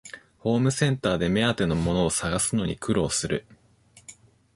ホームセンターで目当てのものを探すのに苦労する